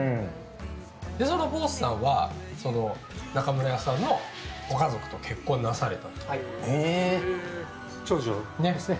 その後、ボースさんは中村屋さんのご家族と結婚なされて。